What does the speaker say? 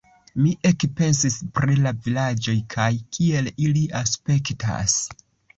Mi ekpensis pri la vilaĝoj kaj kiel ili aspektas.